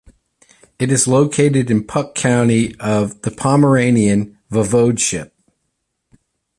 It is located in Puck County of the Pomeranian Voivodeship.